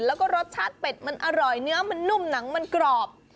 แล้วก็รสชาติเป็ดมันอร่อยเนื้อมันนุ่มหนังมันกรอบ